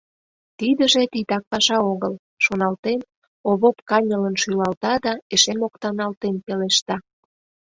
«Тидыже титак паша огыл», — шоналтен, Овоп каньылын шӱлалта да эше моктаналтен пелешта: